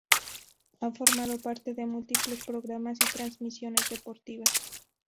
Ha formado parte de múltiples programas y transmisiones deportivas.